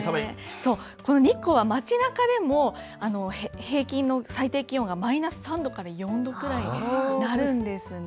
そう、この日光は町なかでも平均の最低気温がマイナス３度から４度くらいになるんですね。